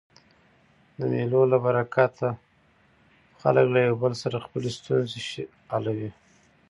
د مېلو له برکته خلک له یو بل سره خپلي ستونزي حلوي.